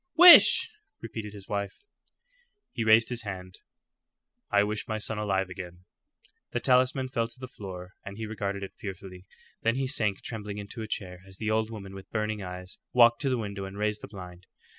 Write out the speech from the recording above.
"Wish!" repeated his wife. He raised his hand. "I wish my son alive again." The talisman fell to the floor, and he regarded it fearfully. Then he sank trembling into a chair as the old woman, with burning eyes, walked to the window and raised the blind.